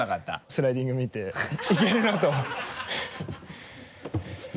スライディング見ていけるなと